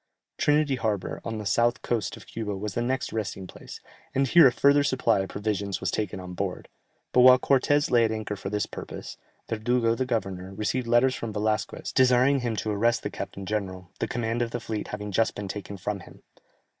Trinity Harbour, on the south coast of Cuba was the next resting place, and here a further supply of provisions was taken on board, but while Cortès lay at anchor for this purpose, Verdugo the governor, received letters from Velasquez, desiring him to arrest the captain general, the command of the fleet having been just taken from him.